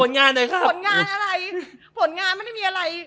ผลงานอะไรผลงานไม่ได้มีอะไร